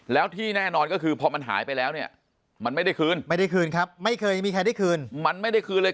แล้วที่แน่นอนก็คือพอมันหายไปแล้วเนี่ยมันไม่ได้คืนไม่ได้คืนครับไม่เคยมีใครได้คืนมันไม่ได้คืนเลย